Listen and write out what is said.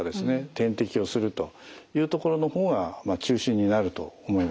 点滴をするというところの方が中心になると思います。